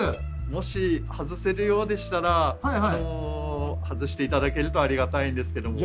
もし外せるようでしたら外して頂けるとありがたいんですけども。